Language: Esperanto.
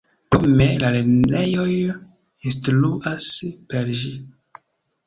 Krome, la lernejoj instruas per ĝi.